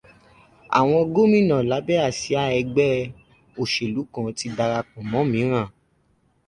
Àwọn gómìnà lábẹ́ àsíá ẹgbẹ́ òṣèlú kan ti darapọ̀ mọ́ mìíràn.